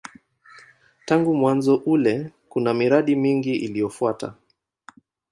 Tangu mwanzo ule kuna miradi mingi iliyofuata.